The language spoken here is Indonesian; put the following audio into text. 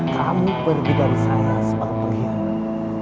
kamu pergi dari saya sebagai pengkhianat